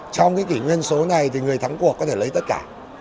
trong cái kỷ nguyên số này thì người thắng cuộc có thể lấy tất cả